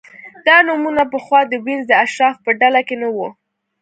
دا نومونه پخوا د وینز د اشرافو په ډله کې نه وو